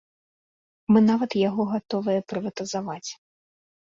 Мы нават яго гатовыя прыватызаваць.